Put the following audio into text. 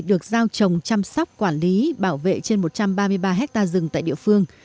được giao trồng chăm sóc quản lý bảo vệ trên một trăm ba mươi ba hectare rừng tại địa phương